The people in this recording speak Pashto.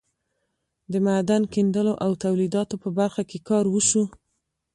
د معدن کیندلو او تولیداتو په برخه کې کار وشو.